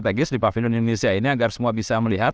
strategis di pavilion indonesia ini agar semua bisa melihat